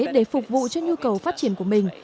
để phục vụ cho nhu cầu phát triển của mình